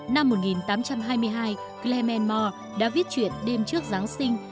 năm một nghìn tám trăm hai mươi hai clement more đã viết chuyện đêm trước giáng sinh